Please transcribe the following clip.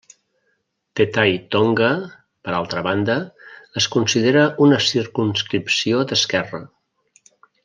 Te Tai Tonga, per altra banda, es considera una circumscripció d'esquerra.